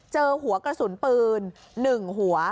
เจอหัวกระสุนปืน๑หัว